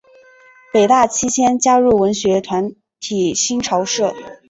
北大期间加入文学团体新潮社。